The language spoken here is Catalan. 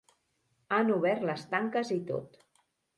Han obert les tanques i tot.